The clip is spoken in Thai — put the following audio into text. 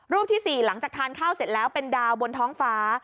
ที่๔หลังจากทานข้าวเสร็จแล้วเป็นดาวบนท้องฟ้า